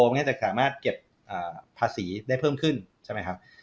จะสามารถเก็บภาษีได้เพิ่มขึ้นใช่ไหมครับ